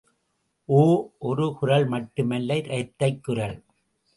ஓ – ஒரு குரல் மட்டுமல்ல இரட்டைக் குரல்!